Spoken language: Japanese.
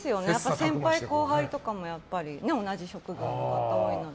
先輩・後輩とかも同じ職業の仲間なので。